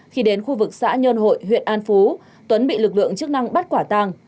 khi đến khu vực xã nhơn hội huyện an phú tuấn bị lực lượng chức năng bắt quả tàng